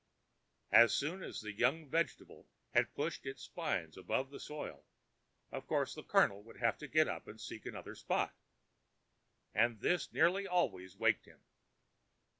As soon as the young vegetable had pushed its spines above the soil, of course the Colonel would have to get up and seek another spot—and this nearly always waked him.